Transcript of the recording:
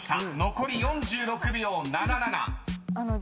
［残り４６秒７７］